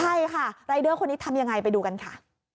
ใช่ค่ะรายเดอร์คนนี้ทำยังไงไปดูกันค่ะ